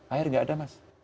air tidak ada mas